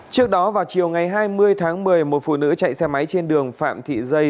trước đó vào chiều ngày hai mươi tháng một mươi một phụ nữ chạy xe máy trên đường phạm thị dây